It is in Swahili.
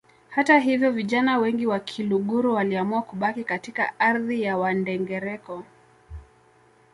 Hata hivyo vijana wengi wa Kiluguru waliamua kubaki katika ardhi ya Wandengereko